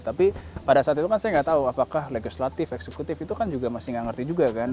tapi pada saat itu kan saya nggak tahu apakah legislatif eksekutif itu kan juga masih nggak ngerti juga kan